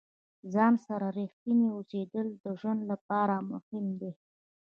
د ځان سره ریښتیني اوسیدل د ژوند لپاره مهم دي.